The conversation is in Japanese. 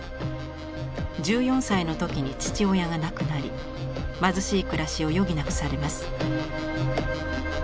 １４歳の時に父親が亡くなり貧しい暮らしを余儀なくされます。